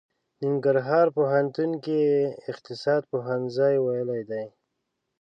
ننګرهار پوهنتون کې يې اقتصاد پوهنځی ويلی دی.